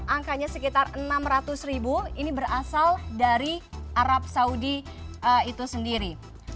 angkanya sekitar enam ratus ribu ini berasal dari arab saudi itu sendiri